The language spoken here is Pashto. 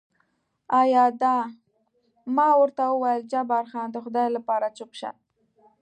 ایا دا؟ ما ورته وویل جبار خان، د خدای لپاره چوپ شه.